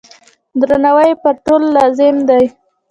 درناوی یې پر ټولو لازم دی.